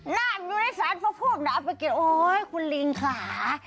น้ำอยู่ในสารพ่อพ่อคุณลิงข้า